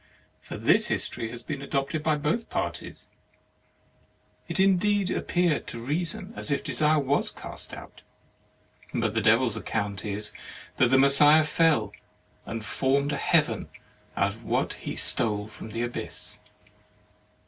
For this history has been adopted by both parties. It indeed appeared to Reason as if 9 THE MARRIAGE OF desire was cast out, but the Devil's account is, that the Messiah fell, and formed a heaven of what he stole from the abyss.